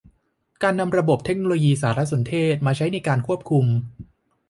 การนำระบบเทคโนโลยีสารสนเทศมาใช้ในการควบคุม